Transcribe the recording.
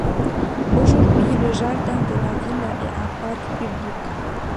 Aujourd'hui, le jardin de la Villa est un parc public.